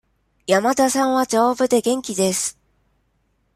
山田さんは丈夫で元気です。